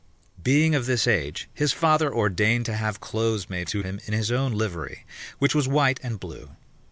Being of this age, his father ordained to have clothes made to him in his own livery, which was white and blue.